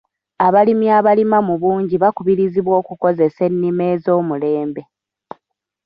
Abalimi abalima mu bungi bakubirizibwa okukozesa ennima ez'omulembe.